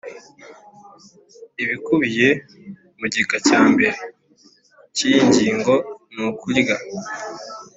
Ibikubiye mu gika cya mbere cy iyi ngingo nukurya